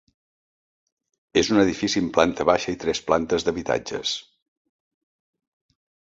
És un edifici amb planta baixa i tres plantes d'habitatges.